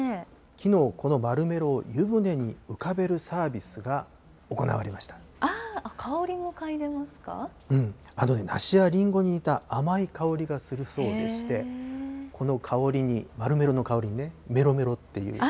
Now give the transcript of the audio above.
きのう、このマルメロを湯船に浮かべるサービスが行われましああ、梨やりんごに似た甘い香りがするそうでして、この香りに、マルメロの香りにメロメロっていう。